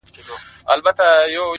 تېره جنازه سوله اوس ورا ته مخامخ يمه-